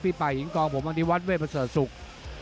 พี่ป่าหิงกองผมอันดีวัตเวทประเสริฐศุกร์